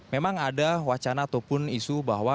memang ada wacana ataupun isu bahwa